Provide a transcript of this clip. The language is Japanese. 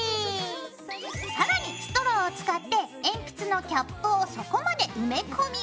更にストローを使って鉛筆のキャップを底まで埋め込みます。